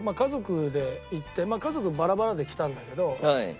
家族バラバラで来たんだけど。